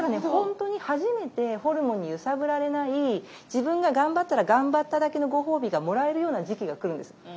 本当に初めてホルモンに揺さぶられない自分が頑張ったら頑張っただけのご褒美がもらえるような時期が来るんです。